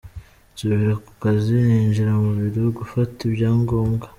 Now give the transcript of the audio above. Nsubira ku kazi, ninjira mu biro gufata ibyangombwa.